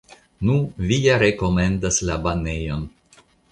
Nu, vi ja rekomendas la banejon.